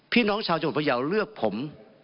พี่น้องชาวจบุญพะเยาว์เลือกผม